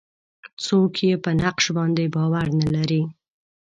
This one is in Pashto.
څوک یې په نقش باندې باور نه لري.